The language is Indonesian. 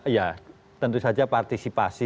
ya tentu saja partisipasi